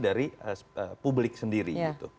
dari publik sendiri